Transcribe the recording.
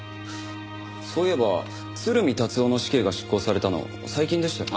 そういえば鶴見達男の死刑が執行されたの最近でしたよね。